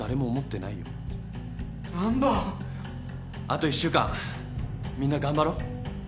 あと１週間みんな頑張ろう。